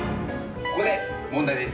ここで問題です。